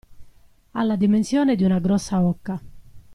Ha la dimensione di una grossa oca.